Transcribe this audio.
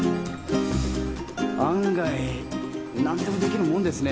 案外何でもできるもんですね